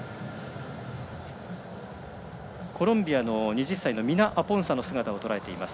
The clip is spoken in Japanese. コロンビアの２０歳のアポンサの姿をとらえています。